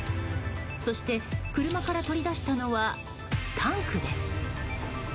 そして車から取り出したのはタンクです。